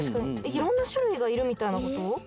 いろんなしゅるいがいるみたいなこと？